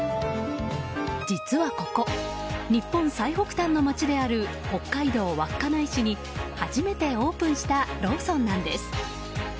実はここ、日本最北端の街である北海道稚内市に初めてオープンしたローソンなんです。